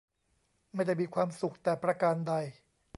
ไม่ได้มีความสุขแต่ประการใด